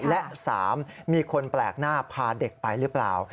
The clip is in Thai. และ๓มีคนแปลกหน้าพาเด็กไปหรือเปล่า